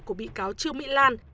của bị cáo trương mỹ lan